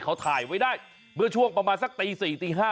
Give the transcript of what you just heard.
เขาถ่ายไว้ได้เมื่อช่วงประมาณสักตี๔ตี๕